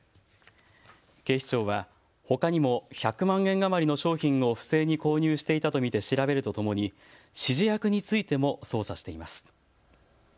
警視庁はほかにも１００万円余りの商品を不正に購入していたと見て調べるとともに指示役についても捜査しています。